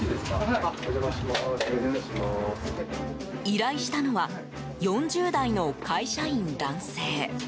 依頼したのは４０代の会社員男性。